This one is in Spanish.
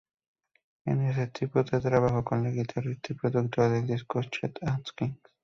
En ese tiempo trabajó con el guitarrista y productor de discos Chet Atkins.